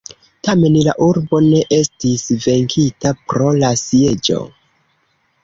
Tamen la urbo ne estis venkita pro la sieĝo.